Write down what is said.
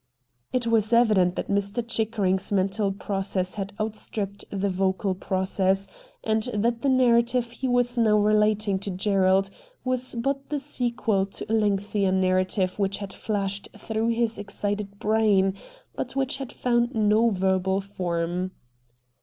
It was evident that Ish. Chickering's mental process had outstripped the vocal process, and that the narrative he was now relating to Gerald was but the sequel to a lengthier narrative which had flashed through his excited brain, but which had found no verbal form.